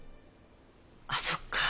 あっそっか。